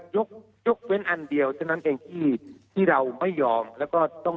ยกยกเว้นอันเดียวเท่านั้นเองที่ที่เราไม่ยอมแล้วก็ต้อง